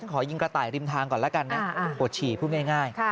ขอยิงกระต่ายริมทางก่อนแล้วกันนะปวดฉี่พูดง่าย